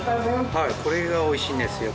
これが美味しいんですよ